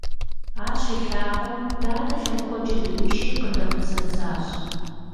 Ар щилъагъум, дадэ лъэныкъуэкӀэ дыӀуишри къыдэхъуцэцащ.